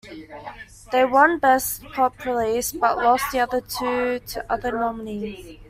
They won "Best Pop Release" but lost the other two to other nominees.